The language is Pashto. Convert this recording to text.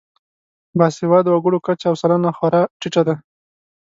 باسواده وګړو کچه او سلنه یې خورا ټیټه ده.